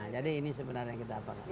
jadi ini sebenarnya kita apakan